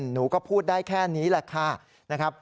หนูก็พูดได้แค่นี้แหละค่ะนะครับ